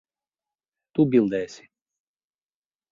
Tu bildēsi.